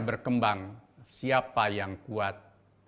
berkembang siapa yang kuat